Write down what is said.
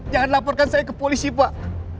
jangan laporkan saya ke polisi pak